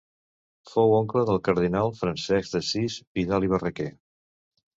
Fou oncle del cardenal Francesc d'Assís Vidal i Barraquer.